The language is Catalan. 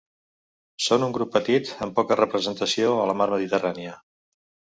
Són un grup petit amb poca representació a la mar Mediterrània.